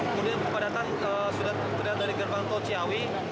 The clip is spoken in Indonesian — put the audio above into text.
kemudian pempadatan sudah terjadi dari gerbang tol ciawi